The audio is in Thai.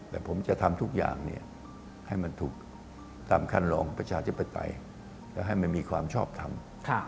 แต่ผมจะทำทุกอย่างให้มันถูกตามขั้นรองประชาธิปไตยและให้มันมีความชอบทำ